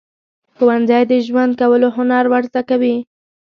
ښوونځی د ژوند کولو هنر ورزده کوي.